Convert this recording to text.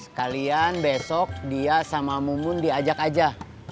sekalian besok dia sama mumun diajak aja